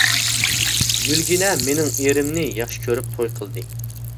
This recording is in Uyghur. گۈلگىنە مېنىڭ ئېرىمنى ياخشى كۆرۈپ توي قىلدى.